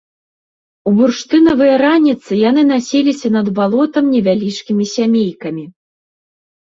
У бурштынавыя раніцы яны насіліся над балотам невялічкімі сямейкамі.